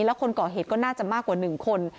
แล้วคนเกาะเฮ็ดก็น่าจะมากกว่าหนึ่งคน